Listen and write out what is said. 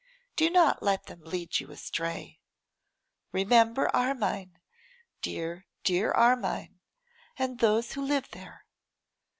Do not let them lead you astray. Remember Armine, dear, dear Armine, and those who live there.